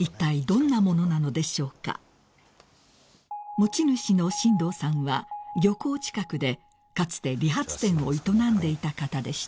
［持ち主の進藤さんは漁港近くでかつて理髪店を営んでいた方でした］